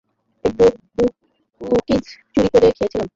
একটা কুকিজ চুরি করে খেয়েছিলাম।